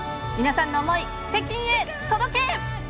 皆さんの思い、北京へ届け！